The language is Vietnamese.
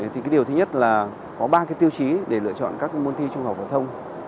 thì cái điều thứ nhất là có ba cái tiêu chí để lựa chọn các môn thi trung học phổ thông